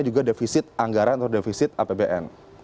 juga defisit anggaran atau defisit apbn